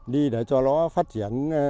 đi để cho nó phát triển